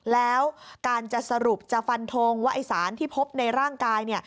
แล้วการจะสรุปจะฟันทงว่าไอ้สารที่พบในร่างกาย